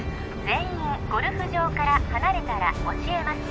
全員ゴルフ場から離れたら教えます